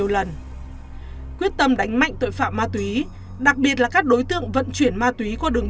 lần quyết tâm đánh mạnh tội phạm ma túy đặc biệt là các đối tượng vận chuyển ma túy qua đường